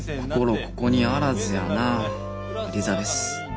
心ここにあらずやなエリザベス。